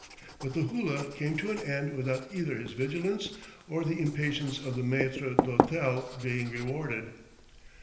But the hula came to an end without either his vigilance or the impatience of the maître d'hôtel being rewarded.